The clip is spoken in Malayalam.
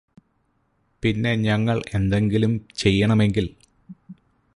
പിന്നെ ഞങ്ങൾ എന്തെങ്കിലും ചെയ്യണമെങ്കിൽ